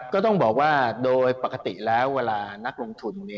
ก็ต้องบอกว่าโดยปกติแล้วเวลานักลงทุน